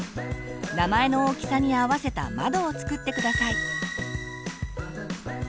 名前の大きさに合わせた窓を作って下さい。